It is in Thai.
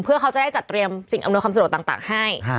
เพื่อเขาจะได้จัดเตรียมสิ่งอำนวยความสะดวกต่างให้